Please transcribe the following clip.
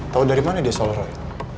tahu dari mana dia soal roy